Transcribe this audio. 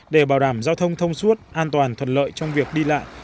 để bảo đảm giao thông thông suốt an toàn thuận lợi trong việc đi lại